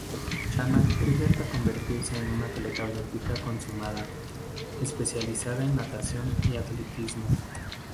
Shanna crece hasta convertirse en una atleta olímpica consumada, especializada en natación y atletismo.